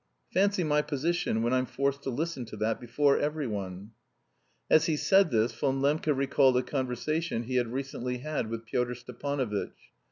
Fancy my position when I'm forced to listen to that before every one." As he said this, Von Lembke recalled a conversation he had recently had with Pyotr Stepanovitch.